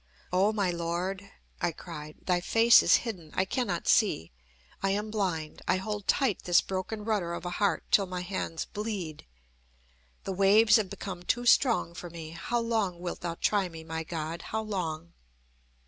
"O my Lord," I cried, "Thy face is hidden. I cannot see. I am blind. I hold tight this broken rudder of a heart till my hands bleed. The waves have become too strong for me. How long wilt thou try me, my God, how long?"